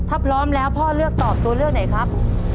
ถ้าพร้อมแล้วพ่อเลือกตอบตัวเลือกไหนครับ